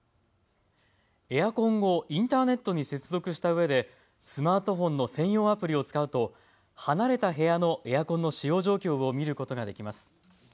エアコンをインターネットに接続したうえでスマートフォンの専用アプリを使うと離れた部屋のエアコンの使用状況を見ることができます。